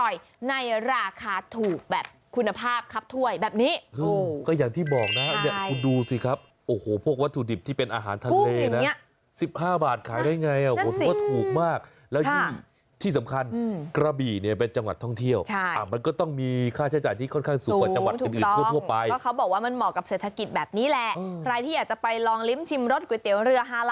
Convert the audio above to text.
อยากคุณดูสิครับโอ้โหพวกวัตถุดิบที่เป็นอาหารทะเลนะ๑๕บาทขายได้ไงโอ้โหเพราะว่าถูกมากแล้วที่สำคัญกระบี่เนี่ยเป็นจังหวัดท่องเที่ยวมันก็ต้องมีค่าใช้จ่ายที่ค่อนข้างสูงกว่าจังหวัดอื่นทั่วไปก็เขาบอกว่ามันเหมาะกับเศรษฐกิจแบบนี้แหละใครที่อยากจะไปลองลิ้มชิมรสก๋วยเตี๋ยวเรื